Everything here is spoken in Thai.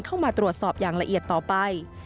เข้ามาตรวจสอบอย่างละเอียดต่อไป